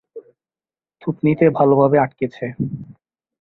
থুতনিতে ভালোভাবে আটকেছে।